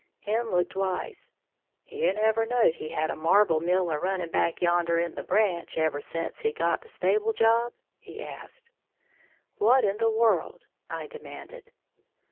Hen looked wise. "You never knowed he had a marvle mill a running back yander in the branch, ever sence he got the stable job?" he said. "What in the world?" I demanded.